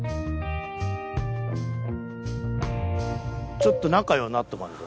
ちょっと仲ようなっとかんと。